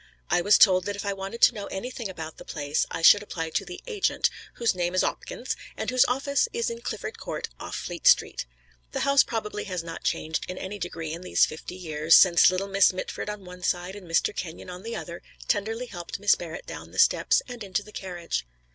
I was told that if I wanted to know anything about the place I should apply to the "Agent," whose name is 'Opkins and whose office is in Clifford Court, off Fleet Street. The house probably has not changed in any degree in these fifty years, since little Miss Mitford on one side and Mr. Kenyon on the other, tenderly helped Miss Barrett down the steps and into the carriage.